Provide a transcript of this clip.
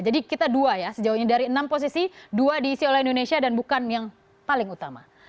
jadi kita dua ya sejauhnya dari enam posisi dua diisi oleh indonesia dan bukan yang paling utama